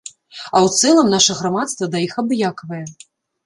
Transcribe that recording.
А ў цэлым наша грамадства да іх абыякавае.